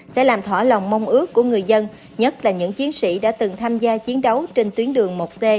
sẽ làm thỏa lòng mong ước của người dân nhất là những chiến sĩ đã từng tham gia chiến đấu trên tuyến đường một c